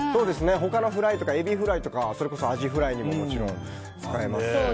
他のフライ、エビフライとかそれこそアジフライにももちろん使えます。